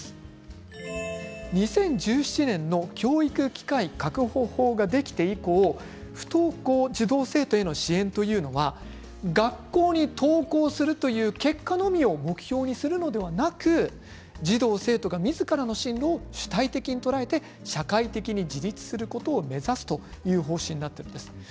２０１７年の教育機会確保法ができて以降不登校児童生徒への支援というのは学校に登校するという結果のみを目標にするのではなくて児童、生徒がみずから進路を主体的に捉えて社会的に自立することを目指すという方針に変わっています。